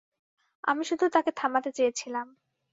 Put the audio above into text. আমি শুধু তাকে থামাতে চেয়েছিলাম।